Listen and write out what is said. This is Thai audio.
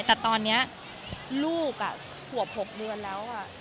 แต่ตอนนี้ลูกอ่ะขวบหกเดือนแล้วอ่ะ